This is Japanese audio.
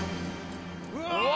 うわ！